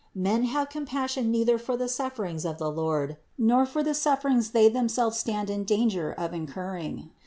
Men have compassion neither for the sufferings of the Lord, nor for the suffer ings they themselves stand in danger of incurring.